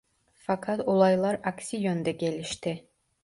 Fakat olaylar aksi yönde gelişti.